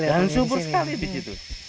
dan subur sekali disitu